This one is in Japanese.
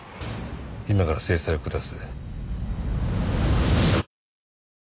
今から制裁を下す。